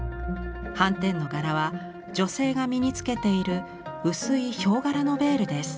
斑点の柄は女性が身につけている薄いヒョウ柄のヴェールです。